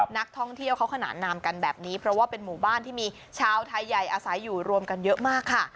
นักท่องเที่ยวเขาขนานนามกันแบบนี้เพราะว่าเป็นหมู่บ้านที่มีชาวไทยใหญ่อาศัยอยู่รวมกันเยอะมากค่ะ